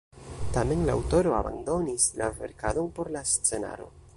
Tamen la aŭtoro abandonis la verkadon por la scenaro.